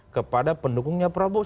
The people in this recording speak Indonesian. kepada pendukungnya prabowo